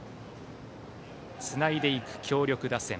つないでいく強力打線